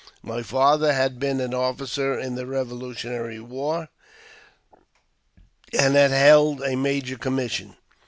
My father had been an officer in the Revolutionary War, and had held a major's commission.